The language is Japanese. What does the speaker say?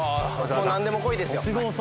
もうなんでもこいですよ